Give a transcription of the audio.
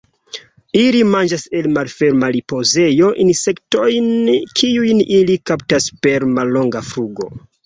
Ili manĝas el malferma ripozejo insektojn kiujn ili kaptas per mallonga flugo.